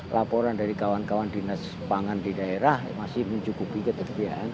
laporan dari kawan kawan dinas pangan di daerah masih mencukupi ketersediaan